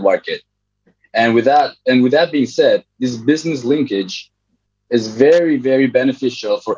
dan dengan itu dan dengan itu being said this business linkage is very very beneficial for